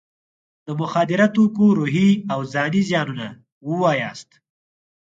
د مخدره توکو روحي او ځاني زیانونه ووایاست.